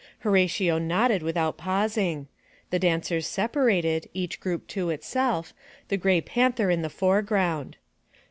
Horatio nodded without pausing. The dancers separated, each group to itself, the gray panther in the foreground.